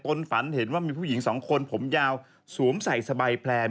ฝันเห็นว่ามีผู้หญิงสองคนผมยาวสวมใส่สบายแพลน